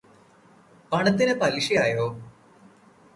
പണത്തിന് പലിശയായോ.